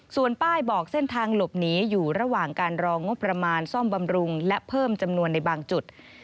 ส่วนป้ายบอกเส้นทางหลบหนีอยู่ระหว่างการรองบประมาณซ่อมบำรุงและเพิ่มจำนวนในบางจุด